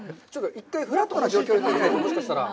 １回、フラットな状況で食べたらもしかしたら。